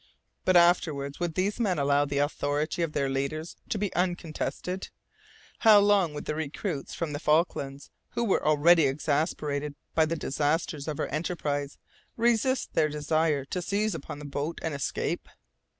But, afterwards, would these men allow the authority of their leaders to be uncontested? How long would the recruits from the Falklands, who were already exasperated by the disasters of our enterprise, resist their desire to seize upon the boat and escape?